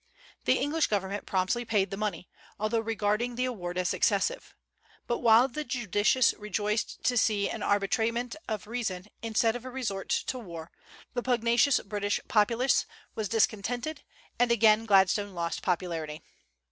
The English government promptly paid the money, although regarding the award as excessive; but while the judicious rejoiced to see an arbitrament of reason instead of a resort to war, the pugnacious British populace was discontented, and again Gladstone lost popularity.